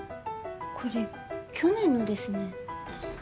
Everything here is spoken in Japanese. これ去年のですね。